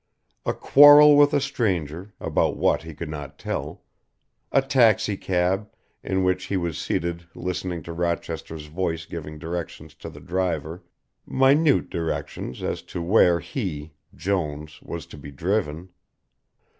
A quarrel with a stranger, about what he could not tell, a taxi cab, in which he was seated listening to Rochester's voice giving directions to the driver, minute directions as to where he, Jones, was to be driven.